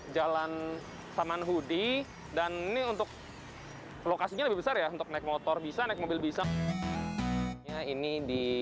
jalan samanhudi dan ini untuk lokasinya lebih besar ya untuk naik motor bisa naik mobil bisa ini di